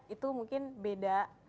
itu mungkin beda